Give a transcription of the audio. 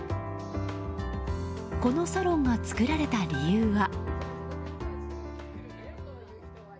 このサロンが作られた理由は。